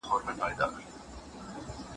کله کله ژاړئ او سلګۍ وهئ؟